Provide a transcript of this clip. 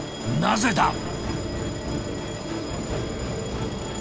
なぜだ？